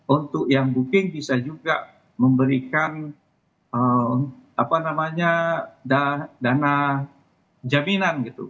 untuk yang booking bisa juga memberikan dana jaminan gitu